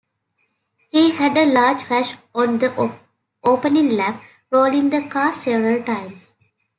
He had a large crash on the opening lap, rolling the car several times.